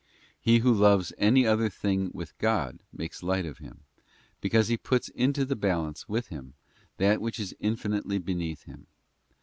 He who loves any other thing with God makes light of Him, because he puts into the balance with Him that which is infinitely beneath Him.